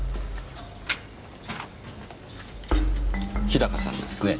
日高さんですね？